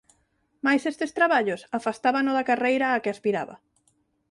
Mais estes traballos afastábano da carreira á que aspiraba.